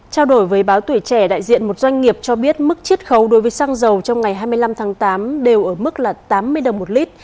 trao đổi với báo tuổi trẻ đại diện một doanh nghiệp cho biết mức chiết khấu đối với xăng dầu trong ngày hai mươi năm tháng tám đều ở mức là tám mươi đồng một lít